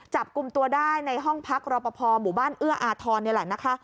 จับกลุ่มตัวได้ในห้องพรรครปภหมู่บ้านเอื้ออาธรนิย์